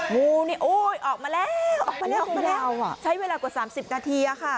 งูนี่อุ๊ยออกมาแล้วออกมาแล้วใช้เวลากว่า๓๐นาทีอะค่ะ